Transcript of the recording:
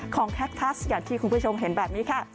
แท็กทัสอย่างที่คุณผู้ชมเห็นแบบนี้ค่ะ